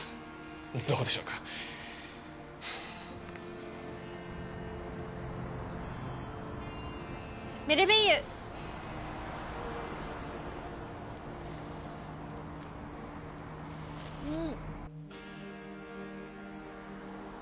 どうでしょうかメルベイユうん！